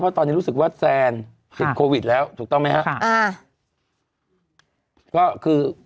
ตอนนี้รู้สึกว่าแซนติดโควิดแล้วถูกต้องไหมครับ